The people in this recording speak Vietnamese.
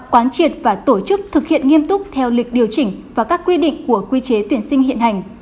quán triệt và tổ chức thực hiện nghiêm túc theo lịch điều chỉnh và các quy định của quy chế tuyển sinh hiện hành